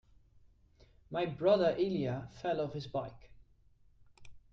My brother Elijah fell off his bike.